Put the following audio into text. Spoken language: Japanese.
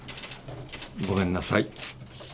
ごめんなさい。